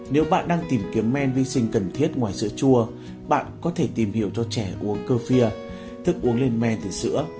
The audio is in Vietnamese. nếu bạn đang tìm kiếm men vi sinh cần thiết ngoài sữa chua bạn có thể tìm hiểu cho trẻ uống cơ phia thức uống lên men từ sữa